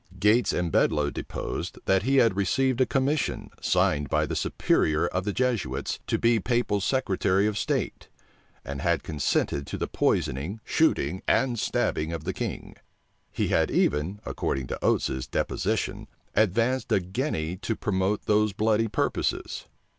Gates and Bedloe deposed, that he had received a commission, signed by the superior of the Jesuits, to be Papal secretary of state, and had consented to the poisoning, shooting, and stabbing of the king: he had even, according to Oates's deposition, advanced a guinea to promote those bloody purposes.